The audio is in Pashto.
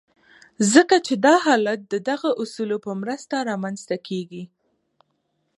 ځکه چې دا حالت د دغو اصولو په مرسته رامنځته کېږي.